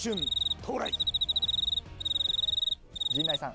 陣内さん。